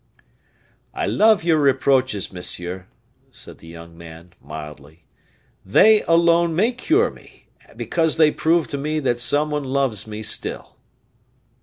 "I love your reproaches, monsieur," said the young man, mildly; "they alone may cure me, because they prove to me that some one loves me still."